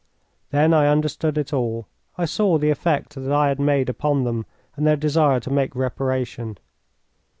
Then I understood it all. I saw the effect that I had made upon them and their desire to make reparation.